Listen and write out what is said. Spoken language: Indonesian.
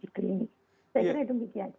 saya kira demikian